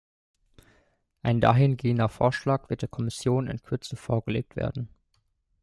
Ein dahingehender Vorschlag wird der Kommission in Kürze vorgelegt werden.